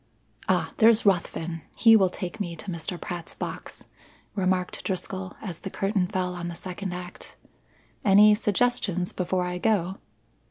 "Ah, there's Ruthven! He will take me to Mr. Pratt's box," remarked Driscoll as the curtain fell on the second act. "Any suggestions before I go?"